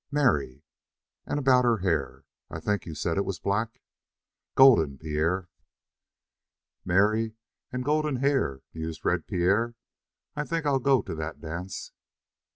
"Mary." "And about her hair I think you said it was black?" "Golden, Pierre." "Mary, and golden hair," mused Red Pierre. "I think I'll go to that dance."